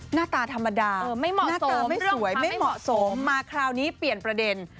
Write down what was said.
หน้าตาธรรมดาหน้าตาไม่สวยไม่เหมาะสมมาคราวนี้เปลี่ยนประเด็น